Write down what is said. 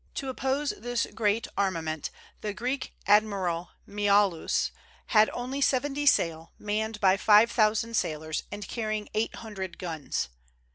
To oppose this great armament, the Greek admiral Miaulis had only seventy sail, manned by five thousand sailors and carrying eight hundred guns.